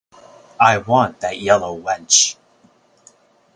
I want that yellow wench.